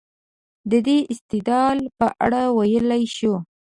د دې استدلال په اړه ویلای شو.